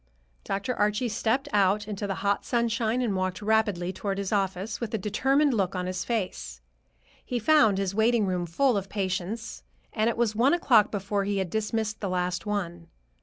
Dr. Archie stepped out into the hot sunshine and walked rapidly toward his office, with a determined look on his face. He found his waiting room full of patients, and it was one o'clock before he had dismissed the last one.